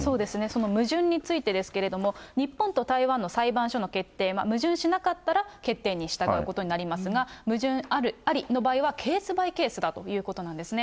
その矛盾についてですけれども、日本と台湾の裁判所の決定は矛盾しなかったら決定に従うことになりますが、矛盾ありの場合はケースバイケースだということなんですね。